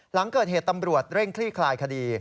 หลังเกิดเหตุตำรวจเร่งคลี่คลายคดี